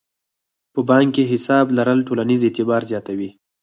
په بانک کې حساب لرل ټولنیز اعتبار زیاتوي.